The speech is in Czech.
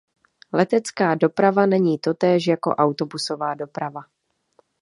Letecká doprava není totéž jako autobusová doprava.